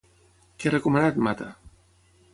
Què ha recomanat Mata?